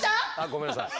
ごめんなさい。